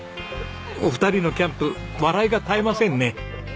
お二人のキャンプ笑いが絶えませんね。